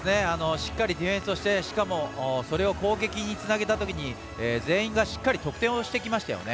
しっかりディフェンスをして、しかもそれを攻撃につなげたときに全員が、しっかり得点をしてきましたよね。